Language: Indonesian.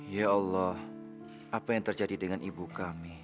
ya allah apa yang terjadi dengan ibu kami